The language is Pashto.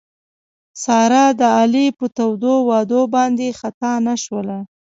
ساره د علي په تودو وعدو باندې خطا نه شوله.